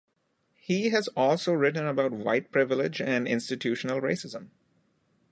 He also has written about white privilege and institutional racism.